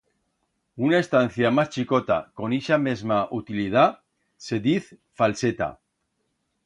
Una estancia mas chicota con ixa mesma utilidat se diz falseta.